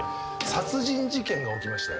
殺人事件が起きまして。